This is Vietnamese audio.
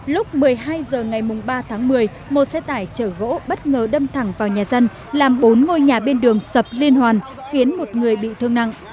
lúc một mươi hai h ngày ba tháng một mươi một xe tải chở gỗ bất ngờ đâm thẳng vào nhà dân làm bốn ngôi nhà bên đường sập liên hoàn khiến một người bị thương nặng